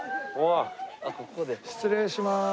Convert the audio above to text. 失礼します。